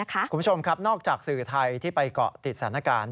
คุณผู้ชมครับนอกจากสื่อไทยที่ไปเกาะติดสถานการณ์